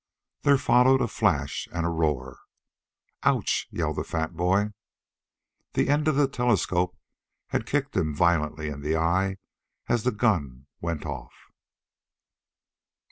There followed a flash and a roar. "O u u c h!" yelled the fat boy. The end of the telescope had kicked him violently in the eye as the gun went off.